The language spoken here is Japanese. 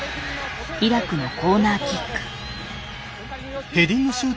イラクのコーナーキック。